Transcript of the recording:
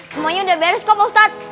semuanya udah beres kok ustadz